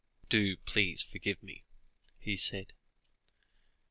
"Do please forgive me," he said.